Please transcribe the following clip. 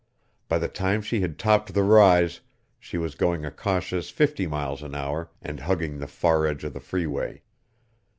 By the time she had topped the rise, she was going a cautious 50 miles an hour and hugging the far edge of the freeway.